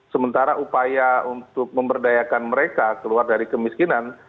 sementara upaya untuk memberdayakan mereka keluar dari kemiskinan